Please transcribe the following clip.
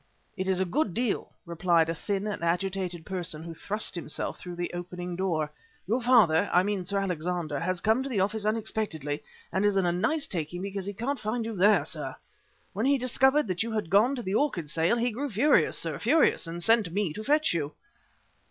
"It is a good deal," replied a thin and agitated person who thrust himself through the opening door. "Your father, I mean Sir Alexander, has come to the office unexpectedly and is in a nice taking because he didn't find you there, sir. When he discovered that you had gone to the orchid sale he grew furious, sir, furious, and sent me to fetch you."